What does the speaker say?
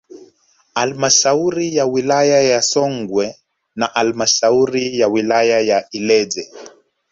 Halmashauri ya wilaya ya Songwe na halmashauri ya wilaya ya Ileje